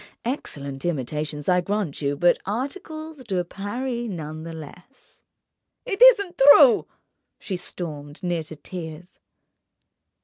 Excellent imitations, I grant you, but articles de Paris none the less." "It isn't true!" she stormed, near to tears.